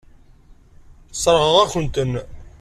Sseṛɣeɣ-ak-ten.